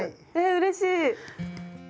えうれしい！